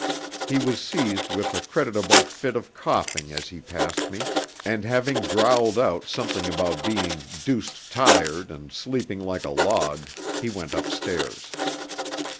He was seized with a creditable fit of coughing as he passed me, and having growled out something about being "deuced tired, and sleeping like a log," he went upstairs.